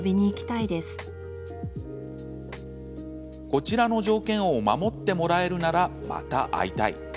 こちらの条件を守ってもらえるならまた会いたい。